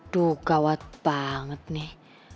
duh gawat banget nih